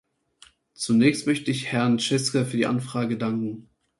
Zunächst möchte ich Herrn Chichester für die Anfrage danken.